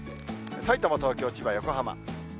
さいたま、東京、千葉、横浜。